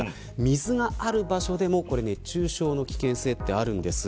水がある場所でも熱中症の危険性があるんです。